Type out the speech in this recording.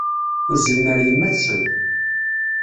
Uzzlen ɣer yemma-tsen.